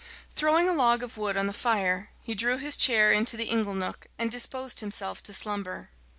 Throwing a log of wood on the fire, he drew his chair into the ingle nook, and disposed himself to slumber.